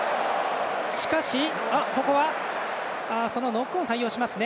ノックオン採用します。